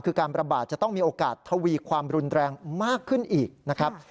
คือการประบาดจะต้องมีโอกาสทวีความรุนแรงมากขึ้นอีกนะครับ